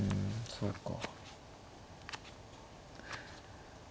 そうか。